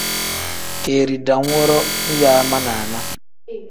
Keeri dam woro nyaa ma naana.